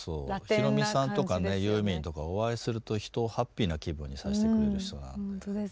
ひろみさんとかねユーミンとかお会いすると人をハッピーな気分にさせてくれる人なんで。